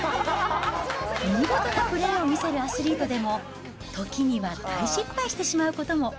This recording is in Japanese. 見事なプレーを見せるアスリートでも、時には大失敗してしまうことも。